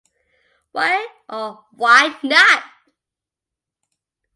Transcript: Why or why not?